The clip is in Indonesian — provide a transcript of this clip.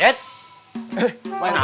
eh pak rt